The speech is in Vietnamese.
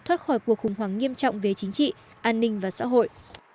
thoát khỏi cuộc khủng hoảng nghiêm trọng về chính trị an ninh và xã hội